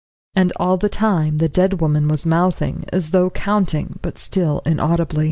And all the time the dead woman was mouthing, as though counting, but still inaudibly.